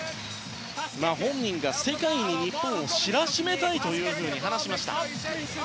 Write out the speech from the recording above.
本人が、世界に日本を知らしめたいと話しました。